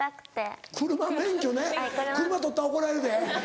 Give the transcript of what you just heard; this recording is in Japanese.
車免許ね車取ったら怒られるで。